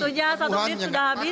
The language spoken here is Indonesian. waktunya satu menit sudah habis bapak